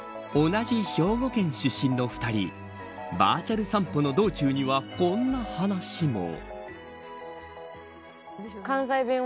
同じ兵庫県出身の２人バーチャル散歩の道中にはこんな話も。